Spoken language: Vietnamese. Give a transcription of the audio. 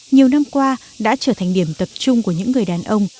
nhiều năm qua đã trở thành điểm tập trung của những người đàn ông